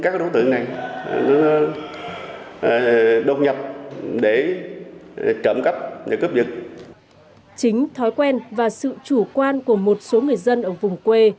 chính thói quen và sự chủ quan của một số người dân ở vùng quê